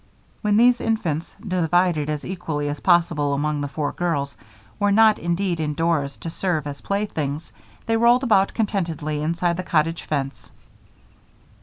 When these infants, divided as equally as possible among the four girls, were not needed indoors to serve as playthings, they rolled about contentedly inside the cottage fence.